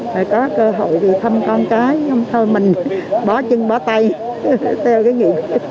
phải có cơ hội đi thăm con cái không thôi mình bỏ chân bỏ tay theo cái nghĩa